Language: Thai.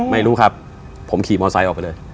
หนูครับผมขี่มอสไตล์ออกไปเลย